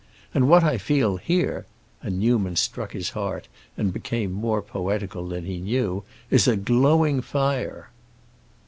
And what I feel here," and Newman struck his heart and became more poetical than he knew, "is a glowing fire!"